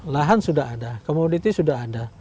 lahan sudah ada komoditi sudah ada